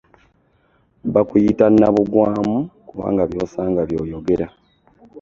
Bakuyita naabugwamu kubanga by'osanga by'oyogera.